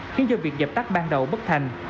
khiến do việc dập tắt ban đầu bất thành